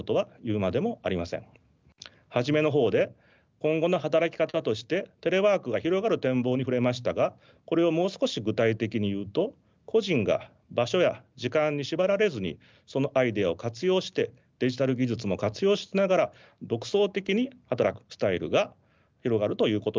初めのほうで今後の働き方としてテレワークが広がる展望に触れましたがこれをもう少し具体的に言うと個人が場所や時間に縛られずにそのアイデアを活用してデジタル技術も活用しながら独創的に働くスタイルが広がるということなのです。